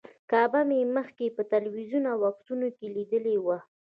کعبه مې مخکې په تلویزیون او عکسونو کې لیدلې وه.